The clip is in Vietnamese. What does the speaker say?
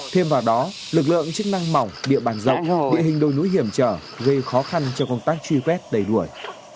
thêm vào đó lực lượng chức năng mỏng địa bàn rộng địa hình đồi núi hiểm trở gây khó khăn cho công tác truy vết đẩy đuổi